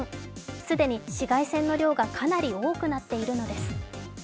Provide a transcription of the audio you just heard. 既に紫外線の量がかなり多くなっているのです。